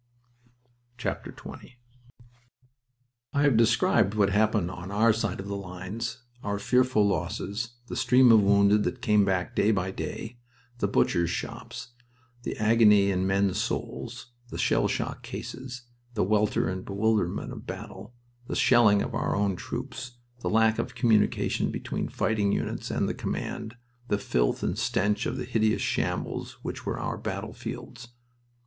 XX I have described what happened on our side of the lines, our fearful losses, the stream of wounded that came back day by day, the "Butchers' Shops," the agony in men's souls, the shell shock cases, the welter and bewilderment of battle, the shelling of our own troops, the lack of communication between fighting units and the command, the filth and stench of the hideous shambles which were our battlefields.